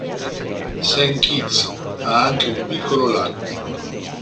Saint Kitts ha anche un piccolo lago.